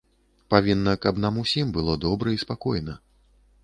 Павінна, каб нам усім было добра і спакойна.